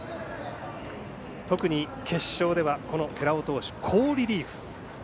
特に決勝では寺尾投手好リリーフ。